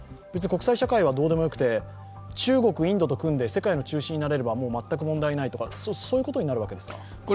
別に国際社会はどうでもよくて、中国・インドと組んで世界の中心になれれば、全く問題ないとか、そういうことになるわけですか？